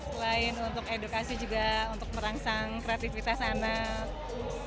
selain untuk edukasi juga untuk merangsang kreativitas anak